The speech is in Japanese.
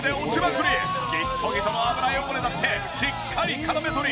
ギットギトの油汚れだってしっかり絡め取り